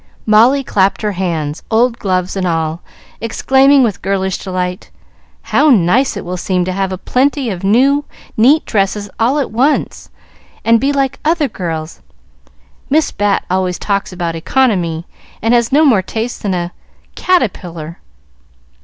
Molly clapped her hands, old gloves and all, exclaiming, with girlish delight, "How nice it will seem to have a plenty of new, neat dresses all at once, and be like other girls! Miss Bat always talks about economy, and has no more taste than a caterpillar."